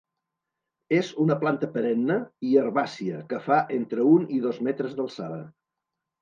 És una planta perenne i herbàcia que fa entre un i dos metres d'alçada.